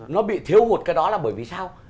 nó bị thiếu một cái đó là bởi vì sao